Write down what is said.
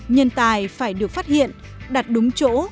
nhân tài phải được phát hiện đặt đúng chỗ